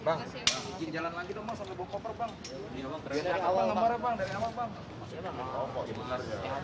bikin jalan lagi dong bang sampai bawa koper bang